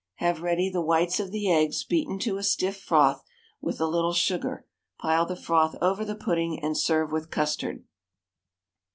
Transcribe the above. Have ready the whites of the eggs beaten to a stiff froth, with a little sugar; pile the froth over the pudding, and serve with custard.